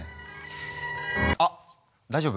あっ大丈夫？